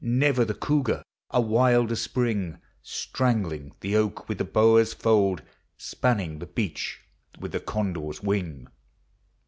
Never the cougar a wilder spring, Strangling the oak with the boa's fold, Spanning the beach with the condor's win,u r